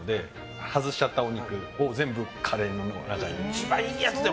一番いいやつだよ。